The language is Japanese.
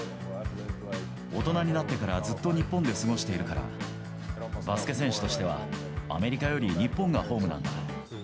大人になってからずっと日本で過ごしているから、バスケ選手としてはアメリカより日本がホームなんだ。